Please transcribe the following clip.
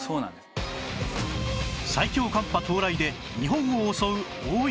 最強寒波到来で日本を襲う大雪